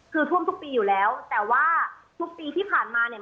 คือท่วมทุกปีอยู่แล้วแต่ว่าทุกปีที่ผ่านมาเนี่ย